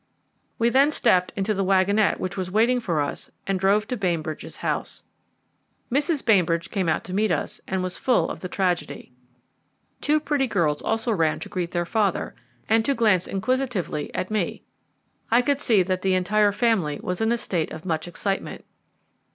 We then stepped into the wagonette which was waiting for us, and drove to Bainbridge's house. Mrs. Bainbridge came out to meet us, and was full of the tragedy. Two pretty girls also ran to greet their father, and to glance inquisitively at me. I could see that the entire family was in a state of much excitement.